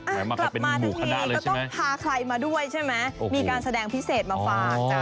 กลับมาทั้งทีก็ต้องพาใครมาด้วยใช่ไหมมีการแสดงพิเศษมาฝากจ้ะ